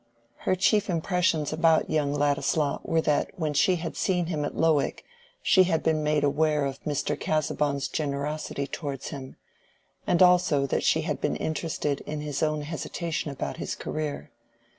Her chief impressions about young Ladislaw were that when she had seen him at Lowick she had been made aware of Mr. Casaubon's generosity towards him, and also that she had been interested in his own hesitation about his career.